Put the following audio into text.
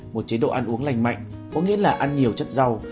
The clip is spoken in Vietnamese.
một chế độ ăn uống lành mạnh có nghĩa là ăn nhiều chất rau